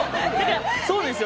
そうですよ。